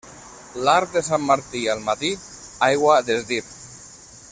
L'arc de Sant Martí al matí, aigua a desdir.